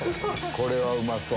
これはうまそう！